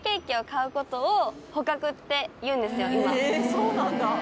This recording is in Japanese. そうなんだ。